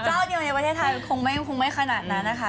เจ้าเดียวในประเทศไทยคงไม่ขนาดนั้นนะคะ